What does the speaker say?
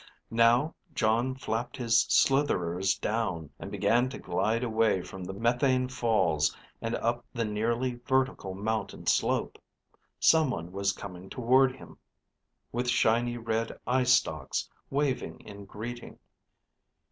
Now Jon flapped his slitherers down and began to glide away from the methane falls and up the nearly vertical mountain slope. Someone was coming toward him, with shiny red eye stalks waving in greeting.